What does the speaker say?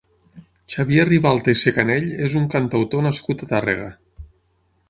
Xavier Ribalta i Secanell és un cantautor nascut a Tàrrega.